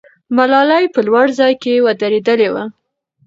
ملالۍ په لوړ ځای کې ودرېدلې وه.